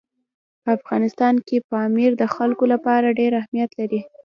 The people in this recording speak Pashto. په افغانستان کې پامیر د خلکو لپاره ډېر اهمیت لري.